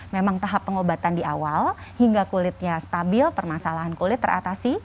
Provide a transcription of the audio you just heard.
memang tahap pengobatan di awal hingga kulitnya stabil permasalahan kulit teratasi